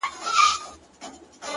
• هر یو مکر یې جلاوو آزمېیلی ,